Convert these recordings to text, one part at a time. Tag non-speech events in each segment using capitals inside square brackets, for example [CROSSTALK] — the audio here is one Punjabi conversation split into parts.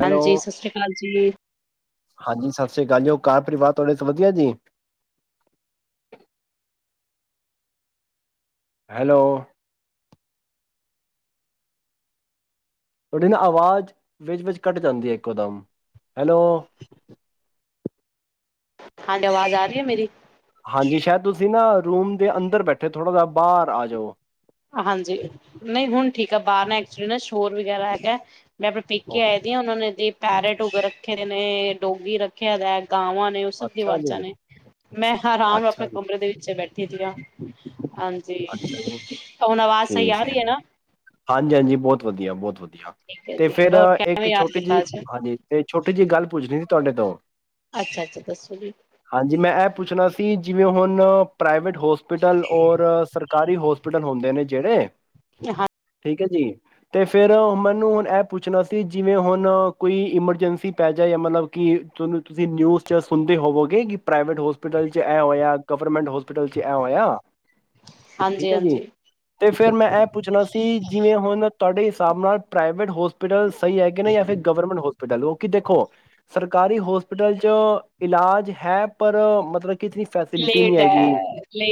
ਹੈਲੋ ਹਾਂਜੀ, ਸਤਿ ਸ੍ਰੀ ਅਕਾਲ ਜੀ। ਹਾਂਜੀ ਸਤਿ ਸ੍ਰੀ ਅਕਾਲ ਜੀ ਘਰ ਪਰਿਵਾਰ ਤੁਹਾਡੇ ਸਭ ਵਧੀਆ ਜੀ। ਹੈਲੋ ਤੁਹਾਡੀ ਨਾ ਆਵਾਜ਼ ਵਿੱਚ ਵਿਚ ਕੱਟ ਜਾਂਦੀ ਹੈ ਇੱਕੋ ਦਮ ਹੈਲੋ ਹਾਂਜੀ ਆਵਾਜ਼ ਆ ਰਹੀ ਹੈ ਮੇਰੀ ਹਾਂਜੀ ਸ਼ਾਇਦ ਤੁਸੀਂ ਨਾ ਰੂਮ ਦੇ ਅੰਦਰ ਬੈਠੇ ਥੋੜ੍ਹਾ ਜਾ ਬਾਹਰ ਆ ਜਾਓ ਹਾਂਜੀ, ਨਹੀਂ ਹੁਣ ਠੀਕ ਆ ਬਾਹਰ ਨਾ ਐਕਚੁਲੀ ਨਾ ਸ਼ੋਰ ਵਗੈਰਾ ਹੈਗਾ। ਮੈਂ ਆਪਣੇ ਪੇਕੇ ਓਕੇ ਆਏ ਦੀ ਆ ਉਹਨਾਂ ਨੇ ਦੀ ਪੈਰਟ [UNINTELLIGIBLE] ਰੱਖੇ ਦੇ ਨੇ ਡੋਗੀ ਰੱਖੇ ਦਾ ਗਾਵਾਂ ਨੇ ਉਹ ਸਭ ਦੀ ਅੱਛਾ ਜੀ ਆਵਾਜ਼ਾਂ ਨੇ ਮੈਂ ਆਰਾਮ ਨਾਲ ਅੱਛਾ ਆਪਣੇ ਜੀ ਕਮਰੇ ਦੇ ਵਿੱਚ ਬੈਠੀ ਸੀ ਉਰਾ [UNINTELLIGIBLE] ਹਾਂਜੀ, ਅੱਛਾ ਜੀ ਹੁਣ ਆਵਾਜ਼ ਸਹੀ ਆ ਠੀਕ ਹੈ ਰਹੀ ਨਾ ਹਾਂਜੀ ਹਾਂਜੀ ਬਹੁਤ ਵਧੀਆ ਬਹੁਤ ਵਧੀਆ। ਠੀਕ ਹੈ ਤੇ ਜੀ ਫੇਰ ਹੋਰ ਕਿਵੇਂ ਇੱਕ ਯਾਦ ਛੋਟੀ ਕੀਤਾ ਜਿਹੀ ਅੱਜ ਹਾਂਜੀ ਤੇ ਛੋਟੀ ਜਿਹੀ ਗੱਲ ਪੁੱਛਣੀ ਸੀ? ਤੁਹਾਡੇ ਤੋਂ ਅੱਛਾ ਅੱਛਾ ਦੱਸੋ ਜੀ ਹਾਂਜੀ, ਮੈਂ ਇਹ ਪੁੱਛਣਾ ਸੀ। ਜਿਵੇਂ ਹੁਣ ਪ੍ਰਾਈਵੇਟ ਹੋਸਟ ਹੌਸਪੀਟਲ ਔਰ ਹੋਸਪਿਟਲ ਹੁੰਦੇ ਨੇ ਜਿਹੜੇ [UNINTELLIGIBLE] ਠੀਕ ਜੀ ਤੇ ਫੇਰ ਮੈਨੂੰ ਹੁਣ ਇਹ ਪੁੱਛਣਾ ਸੀ ਜਿਵੇਂ ਹੁਣ ਕੋਈ ਇਮਰਜੈਂਸੀ ਪੈ ਜਾ ਮਤਲਬ ਕਿ ਤੁੂੰ ਤੁਸੀਂ ਨਿਊਜ਼ ਚ ਸੁਣਦੇ ਹੋਵੋਗੇ ਕਿ ਪ੍ਰਾਈਵੇਟ ਹੋਸਪਿਟਲ 'ਚ ਇਹ ਹੋਇਆ ਗਵਰਮੈਂਟ ਹੋਸਪਿਟਲ 'ਚ ਐਂ ਹੋਇਆ ਠੀਕ ਹਾਂਜੀ ਹੈ ਜੀ ਹਾਂਜੀ ਤੇ ਫੇਰ ਮੈਂ ਇਹ ਪੁੱਛਣਾ ਸੀ ਜਿਵੇਂ ਹੁਣ ਤੁਹਾਡੇ ਹਿਸਾਬ ਨਾਲ ਪ੍ਰਾਈਵੇਟ ਹੋਸਪਿਟਲ ਸਹੀ ਹੈ ਕਿ ਨਹੀਂ ਜਾਂ ਫਿਰ ਗਵਰਮੈਂਟ ਹੋ ਕਿ ਦੇਖੋ ਸਰਕਾਰੀ ਹੋਸਪਿਟਲ ਚ ਇਲਾਜ ਹੈ ਪਰ ਮਤਲਬ ਕਿ ਇਤਨੀ ਫੈਸਿਲਿਟੀ ਨਹੀਂ ਲੇਟ ਹੈ ਹੈਗੀ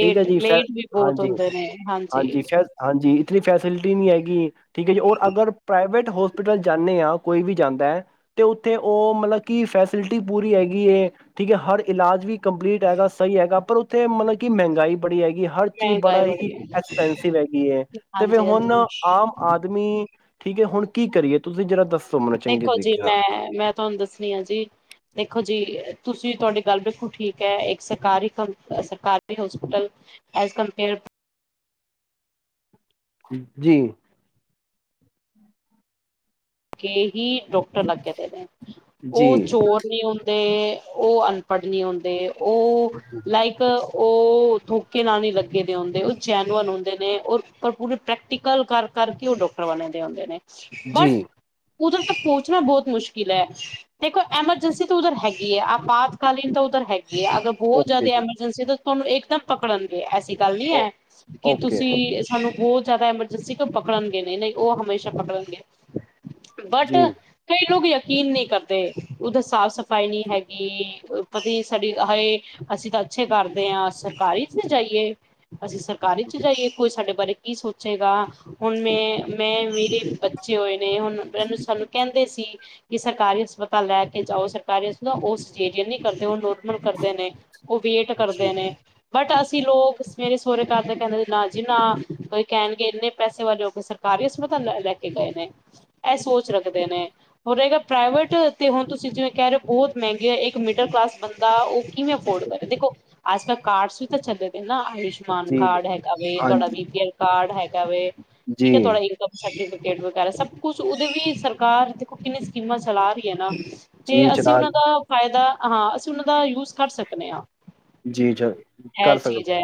ਠੀਕ ਹੈ ਫੈ ਲੇਟ ਵੀ ਜੀ ਬਹੁਤ ਹਾਂਜੀ ਹੁੰਦੇ ਨੇ ਹਾਂਜੀ [UNINTELLIGIBLE] ਜੀ ਇਤਨੀ ਫੈਸਿਲਿਟੀ ਨਹੀਂ ਹੈਗੀ ਠੀਕ ਹੈ ਜੀ ਔਰ ਅਗਰ ਪ੍ਰਾਈਵੇਟ ਹੋਸਪਿਟਲ ਜਾਣੇ ਆ ਕੋਈ ਵੀ ਜਾਂਦਾ ਹੈ ਤੇ ਉੱਥੇ ਉਹ ਮਤਲਬ ਕਿ ਫੈਸਿਲਿਟੀ ਪੂਰੀ ਹੈਗੀ ਏ ਠੀਕ ਹੈ ਹਰ ਇਲਾਜ ਵੀ ਕੰਪਲੀਟ ਹੈਗਾ ਸਹੀ ਹੈਗਾ ਪਰ ਉੱਥੇ ਮਤਲਬ ਕਿ ਮਹਿੰਗਾਈ ਬੜੀ ਹੈਗੀ ਚੀਜ਼ ਮਹਿੰਗਾਈ ਬੜਾ ਹੀ ਬੜੀ ਹੈ ਐਕਸਪੈਂਨਸਿਵ ਹੈਗੀ ਹੈ ਤੇ ਫ਼ਿਰ ਹੁਣ ਹਾਂਜੀ-ਹਾਂਜੀ, ਆਮ ਆਦਮੀ ਠੀਕ ਹੈ ਹੁਣ ਕੀ ਕਰੀਏ ਤੁਸੀਂ ਜਿਹੜਾ ਦੱਸੋ? ਮੈਨੂੰ ਚੰਗੇ ਦੇਖੋ ਜੀ ਤਰੀਕੇ ਮੈਂ ਨਾਲ ਮੈਂ ਤੁਹਾਨੂੰ ਦੱਸਣੀ ਆ ਜੀ ਦੇਖੋ ਜੀ ਤੁਸੀਂ ਤੁਹਾਡੀ ਗੱਲ ਬਿਲਕੁਲ ਠੀਕ ਹੈ ਇੱਕ ਸਰਕਾਰੀ ਕੰ ਸਰਕਾਰੀ ਹੋਸਪੀਟਲ ਐਜ ਕੰਪੇਅਰ ਜੀ ਕੇ ਹੀ ਡਾਕਟਰ ਲੱਗ ਗਿਆ ਨੇ ਜੀ ਉਹ ਚੋਰ ਨਹੀਂ ਹੁੰਦਾ ਤੇ ਉਹ ਅਨਪੜ੍ਹ ਨਹੀਂ ਹੁੰਦੇ ਉਹ ਲਾਈਕ ਉਹ ਧੋਖੇ ਨਾਲ ਨਹੀਂ ਲੱਗੇ ਦੇ ਹੁੰਦੇ ਉਹ ਜੈਨਵਨ ਹੁੰਦੇ ਨੇ ਉਹ ਪਰ ਪੂਰੇ ਪ੍ਰੈਕਟੀਕਲ ਕਰ ਕਰਕੇ ਉਹ ਡਾਕਟਰ ਬਣੇ ਦੇ ਹੁੰਦੇ ਨੇ ਜੀ ਉੱਧਰ ਤਾਂ ਪਹੁੰਚਣਾ ਬਹੁਤ ਮੁਸ਼ਕਿਲ ਹੈ ਦੇਖੋ ਐਮਰਜੈਂਸੀ ਤਾਂ ਉਧਰ ਹੈਗੀ ਹੈ ਆਪਾਤਕਾਲੀਨ ਤਾਂ ਉੱਧਰ ਹੈਗੀ ਇਹ ਅਗਰ ਬਹੁਤ ਓਕੇ ਜ਼ਿਆਦਾ ਜੀ ਐਮਰਜੈਂਸੀ ਤਾਂ ਤੁਹਾਨੂੰ ਇੱਕਦਮ ਪਕੜਨਗੇ ਐਸੀ ਗੱਲ ਨੀ ਓ ਹੈ ਕਿ ਓਕੇ ਤੁਸੀਂ ਸਾਨੂੰ ਬਹੁਤ ਜ਼ਿਆਦਾ ਐਮਰਜੈਂਸੀ ਕਿ ਉਹ ਪਕੜਨਗੇ ਨਹੀਂ ਨਹੀਂ ਉਹ ਹਮੇਸ਼ਾ ਪਕੜਨਗੇ ਬਟ ਜੀ ਕਈ ਲੋਕ ਯਕੀਨ ਨਹੀਂ ਕਰਦੇ ਉੱਧਰ ਸਾਫ਼ ਸਫ਼ਾਈ ਨਹੀਂ ਹੈਗੀ ਪਤਾ ਸਾਡੀ ਹਏ ਅਸੀਂ ਤਾਂ ਅੱਛੇ ਕਰਦੇ ਹਾਂ ਸਰਕਾਰੀ ਚ ਨ ਜਾਈਏ ਅਸੀਂ ਸਰਕਾਰੀ ਚ ਜਾਈਏ ਕੋਈ ਸਾਡੇ ਬਾਰੇ ਕੀ ਸੋਚੇਗਾ ਹੁਣ ਮੈਂ ਮੈਂ ਮੇਰੇ ਬੱਚੇ ਹੋਏ ਨੇ ਹੁਣੂੰ ਸਾਨੂੰ ਕਹਿੰਦੇ ਸੀ ਕੀ ਸਰਕਾਰੀ ਹਸਪਤਾਲ ਲੈ ਕੇ ਜਾਓ ਸਰਕਾਰੀ ਹਸਪਤਾਲ ਉਹ ਸੇਜੇਰੀਅਨ ਨਹੀਂ ਕਰਦੇ ਉਹ ਨੋਰਮਲ ਕਰਦੇ ਨੇ ਉਹ ਵੇਟ ਜੀ ਕਰਦੇ ਨੇ ਬਟ ਅਸੀਂ ਅ ਲੋਕ ਸਵੇਰੇ ਸਹੁਰੇ ਕਰਦੇ ਕਹਿੰਦੇ ਨਾ ਜੀ ਨਾ ਕੋਈ ਕਹਿਣਗੇ ਇੰਨੇ ਪੈਸੇ ਵਾਲੇ ਹੋਈ ਸਰਕਾਰੀ ਹਸਪਤਾਲ ਲੈ ਲੈ ਕੇ ਗਏ ਨੇ ਇਹ ਸੋਚ ਰੱਖਦੇ ਨੇ ਹੋ ਰਹੇਗਾ ਪ੍ਰਾਈਵੇਟ ਤੇ ਹੁਣ ਤੁਸੀ ਜਿਵੇਂ ਕਹਿ ਰਹੇ ਹੋ ਬਹੁਤ ਮਹਿੰਗੇ ਹੈ ਇੱਕ ਮਿਡਲ ਕਲਾਸ ਬੰਦਾ ਕਿਵੇਂ ਅਫੋਰਡ ਜੀ ਕਰ ਦੇਖੋ ਆਜ ਕਲ ਕਾਰਡਸ ਵੀ ਤਾਂ ਚੱਲਦੇ ਨਾ ਆ ਆਯੁਸ਼ਮਾਨ ਜੀ ਕਾਰਡ ਹੈਗਾ ਤੁਹਾਡਾ ਹਾਂਜੀ ਵੀ ਪੀ ਐਲ ਕਾਰਡ ਹੈ ਜਾਵੇ ਜੀ ਠੀਕ ਥੋਡਾ ਇਨਕਮ ਸਰਟੀਫਿਕੇਟ ਕ ਵਗ਼ੈਰਾ ਸਭ ਕੁਛ ਉਹਦੋਂ ਵੀ ਸਰਕਾਰ ਦੇਖੋ ਕਿੰਨੀ ਸਕੀਮਾਂ ਚਲਾ ਰਹੀ ਨਾ ਤੇ ਜੀ ਅਸੀਂ ਚਲਾ ਉਹਨਾਂ ਦਾ ਫਾਇਦਾ ਹਾਂ ਅਸੀਂ ਉਹਨਾਂ ਦਾ ਯੂਜ ਕਰ ਸਕਦੇ ਹਾਂ ਜੀ ਜ ਇਹ ਕਰ ਚੀਜ਼ ਸਕਦੇ ਹੋ ਹੈ।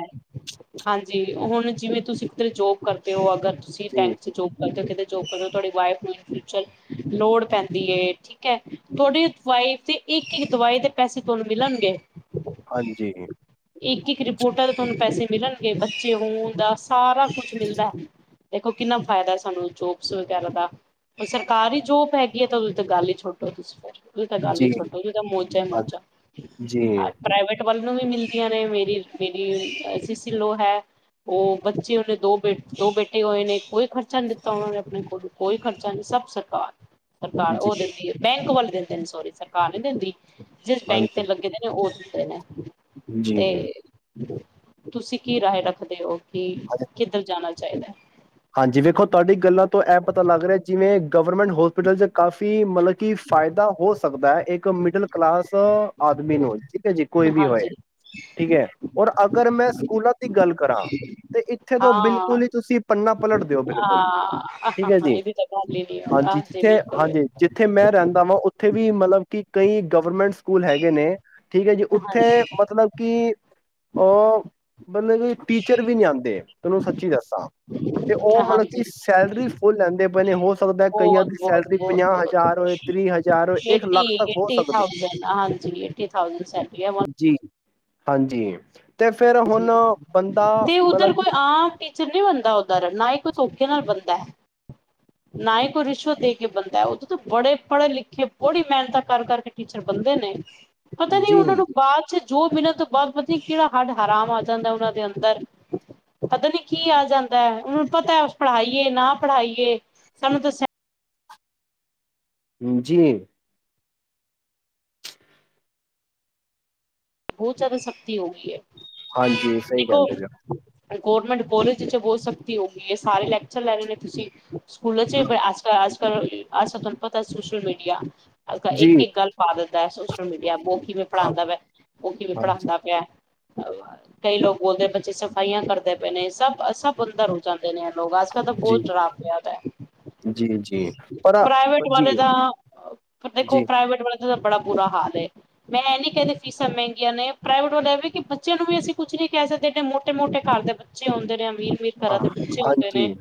ਹਾਂਜੀ ਹੁਣ ਜਿਵੇਂ ਤੁਸੀਂ ਕਿਧਰੇ ਜੋਬ ਕਰਦੇ ਹੋ ਅਗਰ ਤੁਸੀਂ ਜੀ ਕੈਂਟ ਚ ਜੌਬ ਕਰਦੇ ਕਿਤੇ ਜੌਬ ਤਾਂ ਤੁਹਾਡੀ ਵਾਈਫ ਨੂੰ ਲੋੜ ਪੈਂਦੀ ਹੈ ਠੀਕ ਹੈ ਤੁਹਾਡੀ ਵਾਈਫ ਦੀ ਇੱਕ ਇੱਕ ਦਵਾਈ ਦੇ ਪੈਸੇ ਤੁਹਾਨੂੰ ਮਿਲਣਗੇ ਹਾਂਜੀ ਇੱਕ ਇੱਕ ਰਿਪੋਰਟ ਤੁਹਾਨੂੰ ਪੈਸੇ ਮਿਲਣਗੇ ਬੱਚੇ ਹੋਣ ਦਾ ਸਾਰਾ ਕੁਛ ਮਿਲਦਾ ਦੇਖੋ ਕਿੰਨਾ ਫਾਇਦਾ ਸਾਨੂੰ ਜੋਬਸ ਵਗੈਰਾ ਦਾ ਉਹ ਸਰਕਾਰੀ ਜੋਬ ਹੈਗੀ ਹੈ ਤਾਂ ਉਹਦੇ ਤਾਂ ਗੱਲ ਹੀ ਛੋਟੋ ਤੁਸੀਂ ਫਿਰ ਤਾਂ ਗੱਲ ਹੀ ਜੀ ਛੋਟੀ ਜਿਹੀ ਮੋਜਾ ਹੀ ਹਾਂਜੀ ਮੋਜਾ ਜੀ ਪ੍ਰਵੇਟ ਵੱਲ ਨੂੰ ਵੀ ਮਿਲਦੀਆਂ ਨੇ ਮੇਰੀ ਮੇਰੀ ਸਿਸੀ ਲੋ ਹੈ ਉਹ ਬੱਚੇ ਉਹਨੇ ਦੋ ਬ ਦੋ ਬੈਠੇ ਹੋਏ ਨੇ ਕੋਈ ਖਰਚਾ ਨੀ ਦਿੱਤਾ ਉਹਨਾਂ ਨੇ ਆਪਣੇ ਕੋਲ ਕੋਈ ਖ਼ਰਚਾ ਨਹੀਂ, ਸਭ ਸਰਕਾਰ। ਸਰਕਾਰ ਜੀ ਉਹ ਦਿੰਦੀ ਹੈ, ਬੈਂਕ ਵੱਲ ਦਿੰਦੇ ਸੋਰੀ, ਸਰਕਾਰ ਨੇ ਦਿੰਦੀ। ਜਿਸ ਬੈਂਕ ਤੇ ਹਾਂਜੀ ਲੱਗੇ ਦੇ ਨੇ, ਉਸ ਦੇਣੇ [INAUDIBLE] ਜੀ। ਤੁਸੀਂ ਕੀ ਰਾਏ ਰੱਖਦੇ ਹੋ? ਕੀ ਕਿੱਧਰ ਜਾਣਾ ਚਾਹੀਦਾ। ਹਾਂਜੀ, ਵੇਖੋ ਤੁਹਾਡੀ ਗੱਲਾਂ ਤੋਂ ਐ ਪਤਾ ਲੱਗ ਰਿਹਾ, ਜਿਵੇਂ। ਗਵਰਮੈਂਟ ਹੋਸਪਿਟਲ 'ਚ ਕਾਫੀ ਮਤਲਬ। ਕੀ ਫਾਇਦਾ, ਹੋ ਸਕਦਾ ਹੈ‌। ਇੱਕ ਮਿਡਲ ਕਲਾਸ, ਆਦਮੀ ਨੂੰ। ਠੀਕ ਆ ਜੀ, ਕੋਈ ਵੀ ਹੋਏ, ਹਾਂਜੀ ਠੀਕ ਹੈ। ਔਰ ਅਗਰ ਮੈਂ, ਸਕੂਲਾਂ ਦੀ ਗੱਲ ਕਰਾਂ। ਤੇ ਇੱਥੇ ਤੋਂ ਹਾਂ ਬਿਲਕੁਲ ਹੀ ਤੁਸੀਂ। ਪਲਟ ਦਿਓ ਬਿਲਕੁਲ, ਹਾਂ ਠੀਕ ਹੈ ਹਾਂ ਜੀ, ਇਹਦੀ ਤਾਂ ਗੱਲ ਹੀ ਨੀ ਹਾਂਜੀ, ਜਿੱਥੇ ਬਿਲਕੁਲ ਹਾਂਜੀ, ਜਿੱਥੇ ਮੈਂ ਰਹਿੰਦਾ ਵਾਂ। ਉੱਥੇ ਵੀ ਮਤਲਬ ਕਿ, ਕਈ ਗਵਰਮੈਂਟ ਸਕੂਲ ਹੈਗੇ ਨੇ। ਠੀਕ ਹੈ ਜੀ, ਉੱਥੇ ਹਾਂਜੀ ਮਤਲਬ ਕਿ ਉਹ ਮਤਲਬ ਕੀ, ਟੀਚਰ ਵੀ ਨਹੀਂ ਆਂਦੇ। ਤੈਨੂੰ ਸੱਚੀ ਦੱਸਾਂ। ਤੇ ਉਹ ਮਤਲਬ ਕਿ, ਹਾਂਜੀ ਸੈਲਰੀ ਫੁੱਲ ਲੈਂਦੇ ਪਏ ਨੇ, ਹੋ ਸਕਦਾ ਕਈਆਂ ਬਹੁਤ ਦੀ ਬਹੁਤ ਸੈਲਰੀ ਬਹੁਤ ਪੰਜਾਹ ਬਹੁਤ ਹਜ਼ਾਰ ਹੋਏ, ਤੀਹ ਹਜ਼ਾਰ ਹੋਏ, ਇੱਕ ਏਟੀ ਲੱਖ ਤੱਕ ਹੋ ਏਟੀ ਸਕਦੀ ਥਾਊਜੈਂਡ ਹਾਂਜੀ ਏਟੀ ਥਾਊਜੈਂਡ ਸੈਲਰੀ ਹੈ ਜੀ‌। ਹਾਂਜੀ। ਬੰਦਾ ਤੇ ਮਤਲਬ ਉੱਧਰ ਕੋਈ, ਕਿ ਆਮ‌ ਟੀਚਰ ਨਹੀਂ ਬਣਦਾ। ਦਾ ਉਦਾਹਰਨ, ਨਾ ਹੀ ਕੋਈ ਧੋਖੇ ਨਾਲ ਬਣਦਾ, ਨਾ ਹੀ ਕੋਈ ਰਿਸ਼ਵਤ ਦੇ ਕੇ ਬਣਦਾ, ਉੱਥੇ ਤਾਂ ਬੜੇ ਪੜ੍ਹੇ- ਲਿਖੇ ਬੜੀ ਮਿਹਨਤਾਂ ਕਰ ਕਰਕੇ ਟੀਚਰ ਬਣਦੇ ਨੇ। ਪਤਾ ਨੀ, ਜੀ ਉਹਨਾਂ ਨੂੰ ਬਾਅਦ'ਚ [UNINTELLIGIBLE] ਹੱਡ ਆਰਾਮ ਆ ਜਾਂਦਾ ਉਹਨਾਂ ਦੇ ਅੰਦਰ ਮ, ਪਤਾ ਨੀ ਕੀ ਆ ਜਾਂਦਾ, ਉਹਨਾਂ ਨੂੰ ਪਤਾ ਪੜ੍ਹਾਈਏ ਨਾ ਪੜ੍ਹਾਈਏ ਸਾਨੂੰ [INAUDIBLE] ਹਾਂਜੀ। ਬਹੁਤ ਜ਼ਿਆਦਾ ਸਖ਼ਤੀ ਹੋ ਗਈ ਹੈ। ਹਾਂਜੀ, ਸਹੀ ਦੇਖੋ ਕਹਿੰਦੇ ਪਏ ਓ। ਗੌਰਮੈਂਟ ਕਾਲਜ ਚ ਬਹੁਤ ਸਖਤੀ ਹੋ ਗਈ ਹੈ ਸਾਰੇ ਲੈਕਚਰ ਲੈ ਰਹੇ ਨੇ ਤੁਸੀਂ ਸਕੂਲਾਂ ਚ ਹੋ ਆਸ-ਪਾਸ [UNINTELLIGIBLE] ਅੱਜ ਕੱਲ ਤੁਹਾਨੂੰ ਪਤਾ ਸੋਸ਼ਲ ਮੀਡੀਆ ਇੱਕ ਜੀ ਇੱਕ ਗੱਲ ਪਾ ਦਿੰਦਾ ਹੈ ਸ ਮੀਡੀਆ ਆਪੋ [UNINTELLIGIBLE] ਕਿਵੇਂ ਹਾਂ ਪੜ੍ਹਾਂਦਾ ਵੇ ਉਹ ਕਿਵੇਂ ਹਾਂਜੀ ਪੜ੍ਹਾਂਦਾ ਪਿਆ ਕਈ ਲੋਕ ਬੋਲਦੇ ਬੱਚੇ ਸਫ਼ਾਈਆਂ ਕਰਦੇ ਪਏ ਨੇ ਸਭ ਸਭ ਅੰਦਰ ਹੋ ਜਾਂਦਾ ਲੋਕ ਅੱਜ ਕੱਲ ਤਾਂ ਜੀ ਬਹੁਤ [UNINTELLIGIBLE] ਚ ਹੈ ਜੀ ਜੀ ਪਰ ਪ੍ਰਾਈਵੇਟ ਵਾਲੇ ਜੀ ਦਾ ਦੇਖੋ ਜੀ, ਪ੍ਰਾਈਵੇਟ ਵਾਲੇ [UNINTELLIGIBLE] ਦਾ ਬੜਾ ਬੁਰਾ ਹਾਲ ਹੈ ਮੈਂ ਇਹ ਨੀ ਕਹਿੰਦੀ ਫੀਸਾਂ ਮਹਿੰਗੀਆਂ ਨੇ ਪ੍ਰਾਈਵੇਟ ਵਾਲੇ ਵੇ ਕਿ ਬੱਚਿਆਂ ਨੂੰ ਵੀ ਅਸੀਂ ਕੁਛ ਨ ਨਹੀਂ ਕਹਿ ਸਕਦੇ ਮੋਟੇ ਮੋਟੇ ਘਰ ਦੇ ਬੱਚੇ ਆਉਂਦੇ ਨੇ ਵੀਕ ਵੀਕ ਹਾਂ, ਘਰਾਂ ਦੇ ਬੱਚੇ ਹੁੰਦੇ ਨੇ ਹਾਂਜੀ,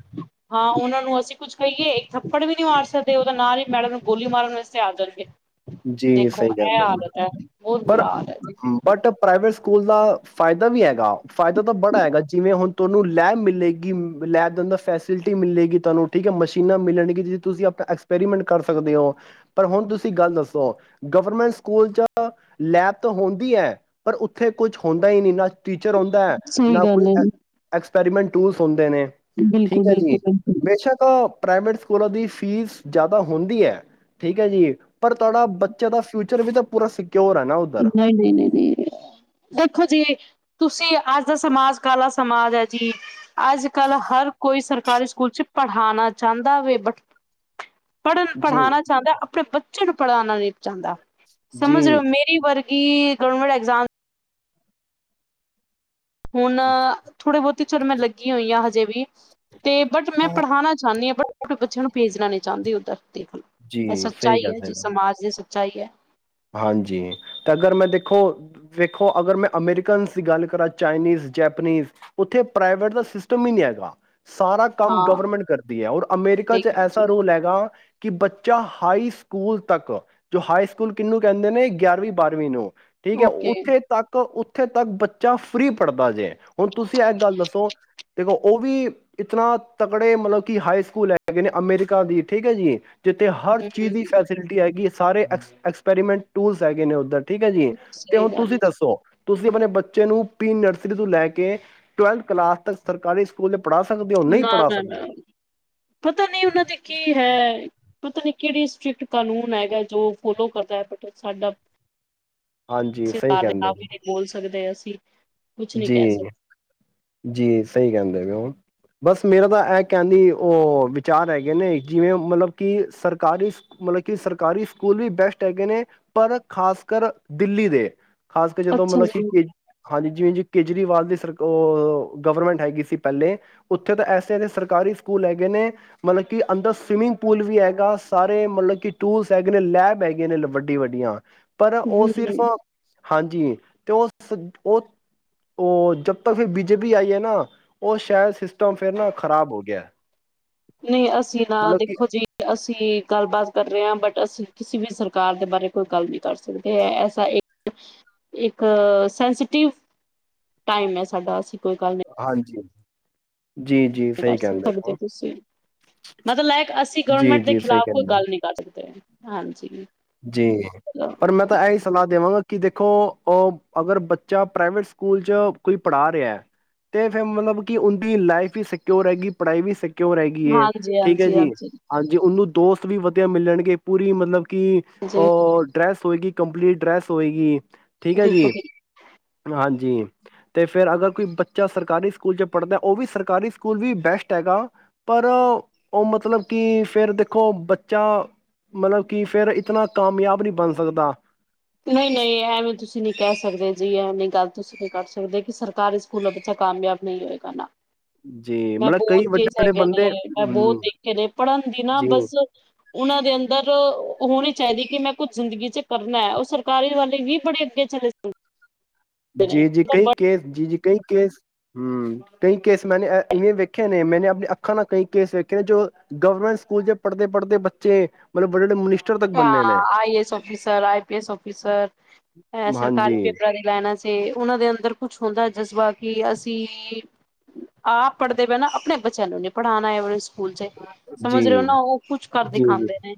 ਹਾਂ ਉਹਨਾਂ ਨੂੰ ਅਸੀਂ ਕੁੱਝ ਕਹੀਏ ਇੱਕ ਥੱਪੜ ਵੀ ਨਹੀਂ ਮਾਰ ਸਕਦੇ ਉਹ ਤੇ ਨਾਲ ਹੀ ਮੈਡਮ ਨੂੰ ਗੋਲੀ ਮਾਰਨ ਵਾਸਤੇ ਆ ਜਾਣਗੇ ਜੀ ਦੇਖੋ ਸਹੀ ਇਹ ਕਹਿੰਦੇ ਹੋ, ਆਦਤ ਹੈ। ਪਰ ਬੁਰਾ ਹਾਲ ਹੈ ਜੀ। ਬਟ ਪ੍ਰਾਈਵੇਟ ਸਕੂਲ ਸਕੂਲ ਦਾ ਫਾਇਦਾ ਵੀ ਹੈਗਾ ਫਾਇਦਾ ਤਾਂ ਬੜਾ ਹੈਗਾ ਜਿਵੇਂ ਹੁਣ ਤੁਹਾਨੂੰ ਲੈਬ ਮਿਲੇਗੀ ਲੈਬ ਦੇ ਅੰਦਰ ਫੈਸਿਲਿਟੀ ਮਿਲੇਗੀ ਤੁਹਾਨੂੰ ਠੀਕ ਹੈ ਮਸ਼ੀਨਾਂ ਮਿਲਣਗਿਆ ਜਿਵੇਂ ਤੁਸੀਂ ਆਪਣਾ ਐਕਸਪੈਰੀਮੈਂਟ ਕਰ ਸਕਦੇ ਹੋ ਪਰ ਹੁਣ ਤੁਸੀਂ ਗੱਲ ਦੱਸੋ ਸ ਗਵਰਮੈਂਟ ਸਕੂਲ ਚ ਲੈਬ ਤਾਂ ਹੁੰਦੀ ਹੈ ਪਰ ਉੱਥੇ ਕੁਛ ਹੁੰਦਾ ਹੀ ਨਹੀਂ ਨਾ ਟੀਚਰ ਹੁੰਦਾ ਹੈ ਸਹੀ ਨਾ ਕੋਈ ਗੱਲ ਹੈ ਐਕਪੈਰੀਮੈਂਟ ਟੂਲਸ ਹੁੰਦੇ ਨੇ ਠੀਕ ਹੈ ਜੀ ਬਿਲਕੁਲ-ਬਿਲਕੁਲ-ਬਿਲਕੁਲ ਬੇਸ਼ੱਕ ਪ੍ਰਾਈਵੇਟ ਸਕੂਲਾਂ ਦੀ ਫੀਸ ਜ਼ਿਆਦਾ ਹੁੰਦੀ ਹੈ ਠੀਕ ਹੈ ਜੀ ਪਰ ਤੁਹਾਡੇ ਬੱਚੇ ਦਾ ਫਿਊਚਰ ਵੀ ਤਾਂ ਪੂਰਾ ਸਿੱ ਨਹੀਂ ਨਹੀਂ ਨਹੀਂ ਨਹੀਂ ਦੇਖੋ ਜੀ ਤੁਸੀਂ ਅੱਜ ਦਾ ਸਮਾਜ ਕਾਲਾ ਸਮਾਜ ਹੈ ਜੀ ਅੱਜ ਕੱਲ ਹਰ ਕੋਈ ਸਰਕਾਰੀ ਸਕੂਲ ਚ ਪੜ੍ਹਾਣਾ ਚਾਹੁੰਦਾ ਵ ਬਟ ਪੜ੍ਹਨ ਜੀ ਪੜ੍ਹਾਣਾ ਚਾਹੁੰਦਾ ਆਪਣੇ ਬੱਚੇ ਚਿੜਪੜਾਉ ਨ ਜਾਂਦਾ [UNINTELLIGIBLE] ਜੀ ਸਮਝ ਰਹੇ ਮੇਰੇ ਵਰ ਕੀ ਗਵਰਮੈਂਟ ਐਗਜ਼ਾਮ [UNINTELLIGIBLE] ਹੁਣ ਥੋੜ੍ਹੇ ਬਹੁਤੀ ਚਲੋ ਮੈਂ ਲੱਗੀ ਹੋਈ ਹਾਂ ਹਜੇ ਵੀ ਤੇ ਬਟ ਮੈਂ ਪੜ੍ਹਾਣਾ ਚਾਹੁੰਦੀ ਹਾਂ ਬਟ ਬੱਚਿਆਂ ਨੂੰ ਭੇਜਣਾ ਨਹੀ ਚਾਹੁੰਦੀ ਦੇਖ ਲਓ ਜੀ ਇਹ ਸਹੀ ਸੱਚਾਈ ਗੱਲ ਹੈ ਜੀ ਸਮਾਜ ਦੇ ਚਾਹੀਏ [UNINTELLIGIBLE] ਹਾਂਜੀ ਤੇ ਅਗਰ ਮੈਂ ਦੇਖੋ ਦੇੇਖੋ ਅਗਰ ਮੈਂ ਅਮੇਰੀਕਨਸ ਦੀ ਗੱਲ ਕਰਾਂ ਚਾਈਨੀਜ਼ ਜੈਪਨੀਜ਼ ਉੱਥੇ ਪ੍ਰਾਈਵੇਟ ਦਾ ਸਿਸਟਮ ਹੀ ਨਹੀਂ ਹੈਗਾ ਸਾਰਾ ਕੰਮ ਹਾਂ ਗਵਰਮੈਂਟ ਕਰਦੀ ਹੈ ਔਰ ਅਮੈਰੀਕਾ ਚ ਦੇਖ ਲਓ ਐਸਾ ਜੀ। ਰੁਲ ਹੈਗਾ ਕੀ ਬੱਚਾ ਹਾਈ ਸਕੂਲ ਤੱਕ ਜੋ ਹਾਈ ਸਕੂਲ ਕਿੰਨੂੰ ਕਹਿੰਦੇ ਨੇ ਗਿਆਰਵੀਂ ਬਾਰ੍ਹਵੀਂ ਨੂੰ ਠੀਕ ਹੈ ਓਕੇ ਉੱਥੇ ਤੱਕ ਉੱਥੇ ਤੱਕ ਬੱਚਾ ਫਰੀ ਪੜ੍ਹਦਾ ਜੇ ਹੁਣ ਤੁਸੀਂ ਇਹ ਗੱਲ ਦੱਸੋ ਦੇਖੋ ਉਹ ਵੀ ਇਤਨਾ ਤਕੜੇ ਮਤਲਬ ਕਿ ਹਾਈ ਸਕੂਲ ਹੈਗੇ ਨੇ ਅਮਰੀਕਾ ਦੀ ਠੀਕ ਹੈ ਜੀ। ਜਿੱਥੇ ਹਰ ਚੀਜ਼ ਦੀ ਹੂੰ ਫੈਸਿਲਿਟੀ ਹੈਗੀ। ਸਾਰੇ ਐਕ ਐਕਸ ਐਕਪੈਰੀਮੈਂਟੂਲਸ ਹੈਗੇ ਨੇ ਉੱਧਰ ਠੀਕ ਹੈ ਜੀ ਤੇ ਸਹੀ ਹੁਣ ਗੱਲ ਤੁਸੀਂ ਹੈ ਦੱਸੋ ਤੁਸੀਂ ਆਪਣੇ ਬੱਚੇ ਨੂੰ ਪੀ ਨਰਸਰੀ ਤੋਂ ਲੈ ਕੇ ਟਵੈਲਥ ਕਲਾਸ ਤੱਕ ਸਰਕਾਰੀ ਸਕੂਲ ਦੇ ਪੜ੍ਹਾ ਸਕਦੇ ਹੋ ਨਹੀਂ ਨਾ ਪੜ੍ਹਾ ਨਾ ਸਕਦੇ ਨਾ ਪਤਾ ਨਹੀਂ ਉਹਨਾਂ ਦੀ ਕੀ ਹੈ। ਪਤਾ ਨੀ ਕਿਹੜੀ ਸਟ੍ਰਿਕਟ ਕਾਨੂੰਨ ਹੈਗਾ ਜੋ ਫੋਲੋ ਕਰਦਾ ਹੈ ਬਟ ਸਾਡਾ ਹਾਂਜੀ ਅਸੀਂ ਸਹੀ ਦੇ ਕਹਿੰਦੇ ਆਪ ਹੋ। ਵੀ ਨਹੀਂ ਬੋਲ ਸਕਦੇ ਹਾ। ਸੀ। ਜੀ ਜੀ ਸਹੀ ਕਹਿੰਦੇ ਪਏ ਹੋ ਬਸ ਮੇਰਾ ਤਾਂ ਇਹ ਕਹਿੰਦੀ ਉਹ ਵਿਚਾਰ ਹੈਗੇ ਨੇ ਜਿਵੇਂ ਮਤਲਬ ਕਿ ਸਰਕਾਰੀ ਮਤਲਬ ਕਿ ਸਰਕਾਰੀ ਸਕੂਲ ਵੀ ਬੈਸਟ ਹੈਗੇ ਨੇ ਪਰ ਖ਼ਾਸ ਕਰ ਦਿੱਲੀ ਦੇ। ਖਾਸ ਕੇ ਜਦੋਂ ਅੱਛਾ ਮਤਲਬ ਜੀ। ਕਿ ਹਾਂਜੀ ਜਿਵੇਂ ਦੀ ਸਰ ਗਵਰਮੈਂਟ ਹੈਗੀ ਸੀ ਪਹਿਲੇ ਉੱਥੇ ਤਾਂ ਐਸੇ ਐਸੇ ਸਰਕਾਰੀ ਸਕੂਲ ਹੈਗੇ ਨੇ ਮਤਲਬ ਕਿ ਅੰਦਰ ਸਵੀਮਿੰਗ ਪੂਲ ਵੀ ਹੈਗਾ ਸਾਰੇ ਮਤਲਬ ਕਿ ਟੂਲਸ ਹੈਗੇ ਨੇ ਲੈਬ ਹੈਗੇ ਨੇ ਵੱਡੀ ਵੱਡੀਆਂ। ਪਰ ਉਹ ਸਿਰਫ ਹੂੰ ਹਾਂਜੀ ਤੇ ਉਸ ਉਹ ਉਹ ਜਦ ਤੱਕ ਫਿਰ ਬੀਜੇਪੀ ਆਈ ਹੈ ਨਾ ਉਹ ਸ਼ਾਇਦ ਸਿਸਟਮ ਫੇਰ ਨਾ ਖ਼ਰਾਬ ਹੋ ਗਿਆ। ਨਹੀਂ ਅਸੀਂ ਤਾਂ ਦੇਖੋ ਜੀ ਅਸੀਂ ਗੱਲਬਾਤ ਕਰ ਰਹੇ ਹਾਂ ਬਟ ਅਸੀਂ ਕਿਸੇ ਵੀ ਸਰਕਾਰ ਦੇ ਬਾਰੇ ਕੋਈ ਗੱਲ ਨਹੀਂ ਕਰ ਸਕਦੇ ਹੈ ਐਸਾ ਇੱਕ ਸੈਂਸਟਿਵ ਟਾਈਮ ਹੈ ਸਾਡਾ ਅਸੀਂ ਕੋਈ ਗੱਲ ਹਾਂਜੀ। ਜੀ ਜੀ ਕਰ ਸਹੀ ਕਹਿੰਦੇ ਸਕਦੇ ਹੋ ਤੁਸੀਂ ਮਤਲਬ ਕੇ ਅਸੀਂ ਜੀ ਗਵਰਮੈਂਟ ਦੇ ਜੀ ਸਹੀ ਖਿਲਾਫ਼ ਕੋਈ ਕਹਿੰਦੇ ਹੋ ਗੱਲ ਨਹੀਂ ਕਰ ਸਕਦੇ। ਹਾਂਜੀ ਜੀ ਪਰ ਮੈਂ ਤਾਂ ਇਹੀ ਸਲਾਹ ਦੇਵਾਂਗਾ ਕਿ ਦੇਖੋ ਅਗਰ ਬੱਚਾ ਪ੍ਰਾਈਵੇਟ ਸਕੂਲ 'ਚ ਕੋਈ ਪੜ੍ਹਾ ਰਿਹਾ ਹੈ ਤਾਂ ਫਿਰ ਮਤਲਬ ਕਿ ਉਹਦੀ ਲਾਈਫ ਵੀ ਸਿਕਿਓਰ ਹੈਗੀ ਪੜ੍ਹਾਈ ਵੀ ਸਿਕਿਓਰ ਹੈ ਗਈ ਏ ਹਾਂਜੀ, ਠੀਕ ਹੈ ਹਾਂਜੀ, ਜੀ ਹਾਂਜੀ, ਹਾਂਜੀ ਉਹਨੂੰ ਦੋਸਤ ਵੀ ਵਧੀਆ ਮਿਲਣਗੇ ਪੂਰੀ ਮਤਲਬ ਕਿ ਹਾਂਜੀ ਉਹ ਡਰੈਸ ਹੋਏਗੀ ਕੰਪਲੀਟ ਡਰੈੱਸ ਹੋਵੇਗੀ। ਠੀਕ ਹੈ ਜੀ ਬਿਲਕੁਲ ਹਾਂਜੀ। ਜੀ ਤੇ ਫੇਰ ਅਗਰ ਕੋਈ ਬੱਚਾ ਸਰਕਾਰੀ ਸਕੂਲ 'ਚ ਪੜ੍ਹਦਾ ਉਹ ਵੀ ਸਰਕਾਰੀ ਸਕੂਲ ਵੀ ਬੈਸਟ ਹੈਗਾ ਪਰ ਉਹ ਮਤਲਬ ਕਿ ਫੇਰ ਦੇਖੋ ਬੱਚਾ ਮਤਲਬ ਕਿ ਫੇਰ ਇਤਨਾ ਕਾਮਯਾਬ ਨਹੀਂ ਬਣ ਸਕਦਾ। ਨਹੀਂ ਨਹੀਂ ਐਵੇਂ ਤੁਸੀਂ ਨਹੀਂ ਕਹਿ ਸਕਦੇ ਜੀ ਐਵੇ ਗੱਲ ਤੁਸੀਂ ਨਹੀਂ ਕਰ ਸਕਦੇ ਕਿ ਸਰਕਾਰੀ ਸਕੂਲ ਦਾ ਬੱਚਾ ਕਾਮਯਾਬ ਨਹੀਂ ਹੋਏਗਾ ਨਾ। ਜੀ ਮੈਂ ਮਤਲਬ ਬਹੁਤ ਕਈ ਵੱਡੇ ਕੇਸ‌ ਵੱਡੇ ਹੈਗੇ ਨੇ ਬੰਦੇ ਮੈਂ ਬਹੁਤ ਹੂੰ ਦੇਖੇ ਨੇ ਪੜ੍ਹਨ ਦੀ ਨਾ ਜੀ ਬਸ ਉਹਨਾਂ ਦੇ ਅੰਦਰ ਹੋਣੀ ਚਾਹੀਦੀ ਕਿ ਮੈਂ ਕੁਝ ਜ਼ਿੰਦਗੀ ਚ ਕਰਨਾ। ਸਰਕਾਰੀ ਵਾਲੇ ਵੀ ਬੜੀ ਅੱਗੇ ਚਲੇ ਸਨ ਜੀ ਜੀ ਕਈ ਕੇਸ ਜੀ ਜੀ ਕਈ ਕੇਸ ਹਮ ਕਈ ਕੇਸ ਮੈਂਨੇਵੇਂ ਵੇਖੇ ਨੇ ਮੈਨੇ ਆਪਣੇ ਅੱਖਾਂ ਨਾਲ ਕਈ ਕੇਸ ਵੇਖੇ ਨੇ ਜੋ ਗਵਰਮੈਂਟ ਸਕੂਲ ਚ ਪੜ੍ਹਦੇ-ਪੜ੍ਹਦੇ ਬੱਚੇ ਮਤਲਬ ਵੱਡੇ- ਵੱਡੇ ਮਨੀਸ ਹਾਂ I P S officer I P S officer ਸਰਕਾਰੀ ਹਾਂਜੀ ਪੇਪਰਾਂ ਦੀ ਲੈਣਾ ਚ ਤੇ ਉਹਨਾਂ ਦੇ ਅੰਦਰ ਕੁਛ ਹੁੰਦਾ ਜਜ਼ਬਾ ਕਿ ਅਸੀਂ ਆਪ ਪੜ੍ਹਦੇ ਪਏ ਨਾ ਆਪਣੇ ਬੱਚਿਆਂ ਨੂੰ ਨਹੀਂੀ ਪੜ੍ਹਾਉਣਾ ਐ ਵਾਲੇ ਸਕੂ ਸਕੂਲ ਚ ਜੀ ਸਮਝ ਰਹੇ ਹੋ ਨਾ ਉਹ ਕੁਛ ਕਰ ਜੀ ਜੀ ਦਿਖਾਂਦੇ ਨੇ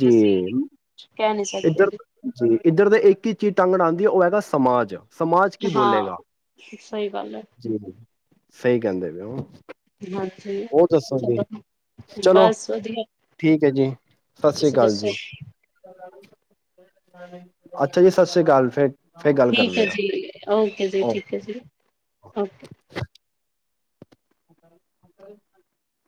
ਜੀ ਅਸੀਂ ਕਹਿ ਨਹੀਂ ਇੱਧਰ ਸਕਦੇ ਜੀ ਇੱਧਰ ਤਾਂ ਇੱਕ ਹੀ ਚੀਜ਼ ਟੰਗ ਅੜਾਂਦੀ ਉਹ ਹੈਗਾ ਸਮਾਜ ਸਮਾਜ ਕੀ ਬੋਲੇਗਾ ਹਾਂ ਸਹੀ ਗੱਲ ਹੈ ਹੂੰ ਸਹੀ ਕਹਿੰਦੇ ਪਏ ਓ ਹਾਂਜੀ ਚਲੋ, ਚਲੋ ਬਸ ਵਧੀਆ ਠੀਕ ਹੈ ਜੀ ਸਤਿ ਸ੍ਰੀ ਤੁਸੀਂ ਅਕਾਲ ਦੱਸੋ ਜੀ। ਅੱਛਾ ਜੀ ਸਤਿ ਸ੍ਰੀ ਅਕਾਲ ਫੇਰ ਠੀਕ ਹੈ, ਜੀ ਓਕੇ ਜੀ ਓ ਠੀਕ ਹੈ, ਜੀ ਓਕੇ [INAUDIBLE]